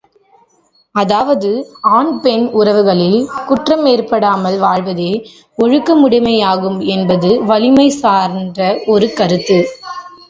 அதாவது ஆண் பெண் உறவுகளில் குற்றம் ஏற்படாமல் வாழ்வதே ஒழுக்கமுடைமையாகும் என்பது வலிமை சான்ற ஒரு கருத்து.